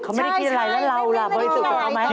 เขาไม่ได้คิดอะไรแล้วเราล่ะบริสุทธิ์